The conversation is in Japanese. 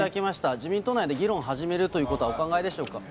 自民党内で議論始めるということは、お考えでしょうか。